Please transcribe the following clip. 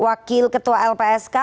wakil ketua lpsk